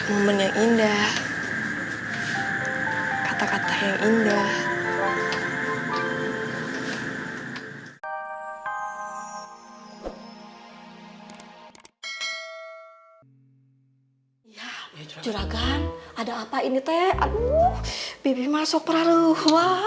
momen yang indah